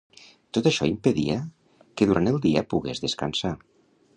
Tot això impedia que durant el dia pogués descansar.